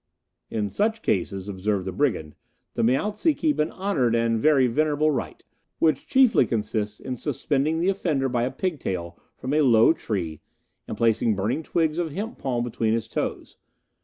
"In such cases," observed the brigand, "the Miaotze keep an honoured and very venerable rite, which chiefly consists in suspending the offender by a pigtail from a low tree, and placing burning twigs of hemp palm between his toes.